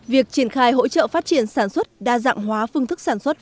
việc triển khai hỗ trợ phát triển sản xuất đa dạng hóa phương thức sản xuất